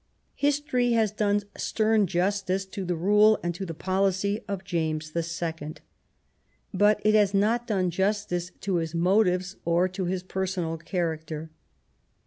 History has done stern justice to the rule and to the policy of James the Second, but it has not done justice to his motives or to his personal character.